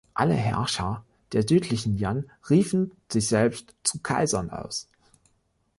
Alle Herrscher der Südlichen Yan riefen sich selbst zu "Kaisern" aus.